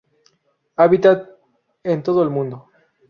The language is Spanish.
Hábitat: En todo el mundo.